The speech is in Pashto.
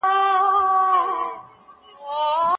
هغه به راتلونکي کال کي نوی کتاب وليکي.